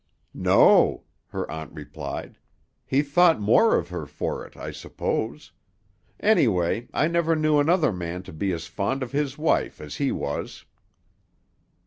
"No," her aunt replied. "He thought more of her for it, I suppose. Anyway, I never knew another man to be as fond of his wife as he was."